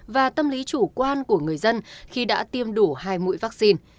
và tâm lý chủ quan của người dân khi đã tiêm đủ hai mũi vaccine